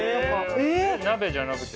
鍋じゃなくて？